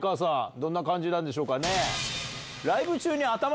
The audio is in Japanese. どんな感じなんでしょうかね。